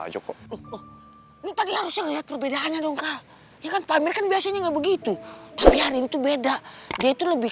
coba lihat perbedaannya dong kalian biasanya enggak begitu tapi hari itu beda itu lebih